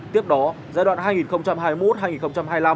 tiếp đó giai đoạn hai nghìn hai mươi một hai nghìn hai mươi năm